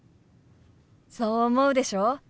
そう思うでしょ？